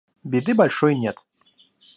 Беды большой нет.